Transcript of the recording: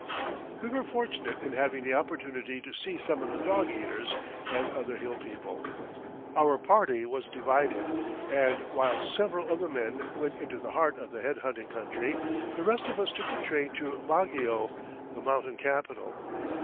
We were fortunate in having the opportunity to see some of the dog eaters and other hill people. Our party was divided, and while several of the men went into the heart of the head hunting country, the rest of us took the train to Baguio, the mountain capital.